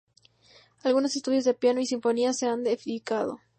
Algunos estudios de piano y sinfonías se han dedicado.